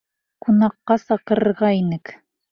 Ҡунаҡҡа саҡырырға инек.